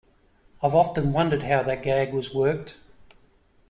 I've often wondered how that gag was worked.